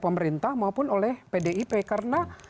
pemerintah maupun oleh pdip karena